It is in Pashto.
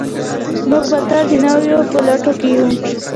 موږ به تل د نوي په لټولو کې یو.